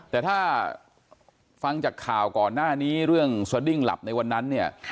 แต่ถ้าฟังจากข่าวก่อนหน้านี้เรื่องสดิ้งหลับในวันนั้นเนี่ย